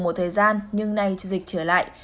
một thời gian nhưng nay dịch trở lại